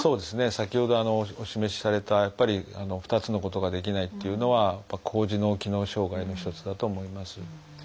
先ほどお示しされた２つのことができないというのは高次脳機能障害の一つだと思います。